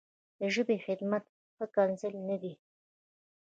د ژبې خدمت ښکنځل نه دي نه.